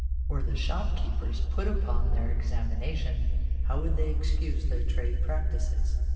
Were the shopkeepers put upon their examination, how would they excuse their trade practices